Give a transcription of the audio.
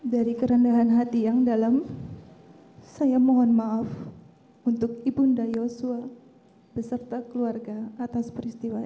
dari kerendahan hati yang dalam saya mohon maaf untuk ibu nda yosua beserta keluarga atas peristiwa ini